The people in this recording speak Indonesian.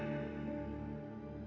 apa adam ration